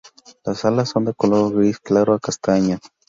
Las alas son de color gris claro a castaño.